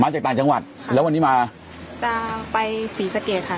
จากต่างจังหวัดแล้ววันนี้มาจะไปศรีสะเกดค่ะ